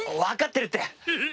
わかってるって！